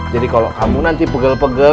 jadi kalau kamu nanti pegel pegel